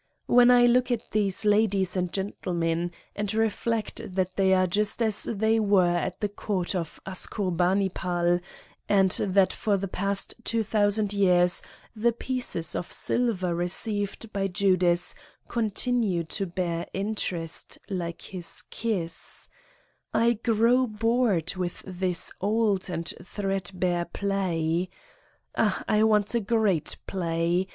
When I look at these ladies and gentlemen and reflect that they are just as they were at the court of Aschurbanipal and that for the past 2000 years the pieces of silver received by Judas continue to bear interest, like his kiss I grow bored with this old and threadbare play. Ah, I want a great play.